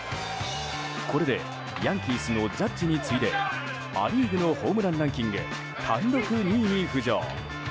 これでヤンキースのジャッジに次いでア・リーグのホームランランキング単独２位に浮上。